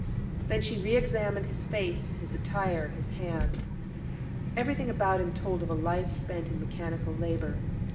Then she re examined his face, his attire, his hands. Everything about him told of a life spent in mechanical labour.